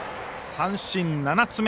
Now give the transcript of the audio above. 三振７つ目。